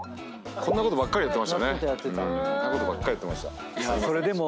こんなことばっかりやってました。